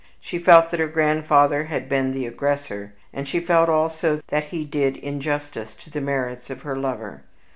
She felt that her grandfather had been the aggressor; and she felt also that he did injustice to the merits of her lover.